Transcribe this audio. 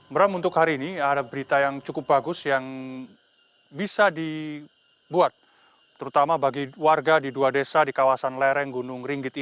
meram untuk hari ini ada berita yang cukup bagus yang bisa dibuat terutama bagi warga di dua desa di kawasan lereng gunung ringgit ini